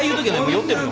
酔ってるの。